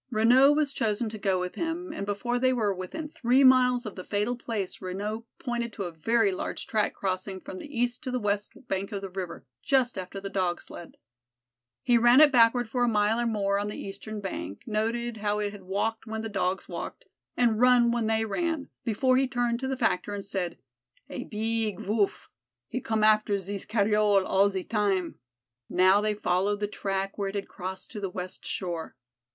Renaud was chosen to go with him, and before they were within three miles of the fatal place Renaud pointed to a very large track crossing from the east to the west bank of the river, just after the Dog sled. He ran it backward for a mile or more on the eastern bank, noted how it had walked when the Dogs walked and run when they ran, before he turned to the Factor and said: "A beeg Voolf he come after ze cariole all ze time." Now they followed the track where it had crossed to the west shore.